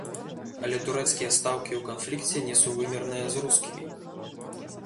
Але турэцкія стаўкі ў канфлікце несувымерныя з рускімі.